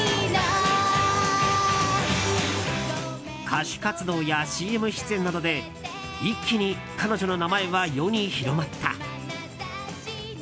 歌手活動やＣＭ出演などで一気に彼女の名前は世に広まった。